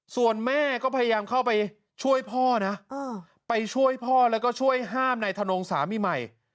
ส่วนแม่ก็พยายามเข้าไปช่วยพ่อนะไปช่วยพ่อแล้วก็ช่วยห้ามนายธนงสามีใหม่